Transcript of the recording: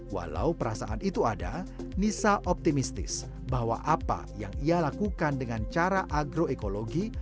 walau perasaan itu ada nisa optimistis bahwa apa yang ia lakukan dengan cara agroekologi